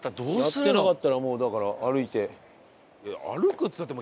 やってなかったらもうだから。